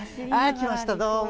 きました、どうも。